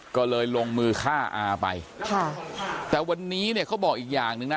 ก็เลยลงมือฆ่าอาไปค่ะแต่วันนี้เนี่ยเขาบอกอีกอย่างหนึ่งนะ